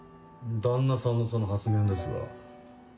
旦那さんのその発言ですが。